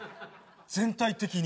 全体的に。